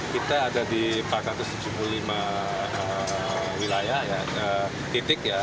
kita ada di empat ratus tujuh puluh lima wilayah ya titik ya